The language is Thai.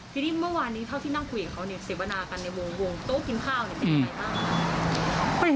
ทีนี้เมื่อวานเค้าที่นั่งคุยกับเขา